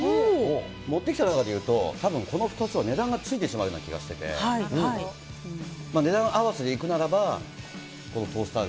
持ってきた中で言うと、たぶん、この２つは値段がついてしまうような気がしていて、値段合わせでいくならば、このトースターが。